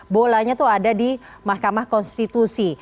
bolanya tuh ada di mahkamah konstitusi